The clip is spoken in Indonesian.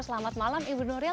selamat malam ibu nuril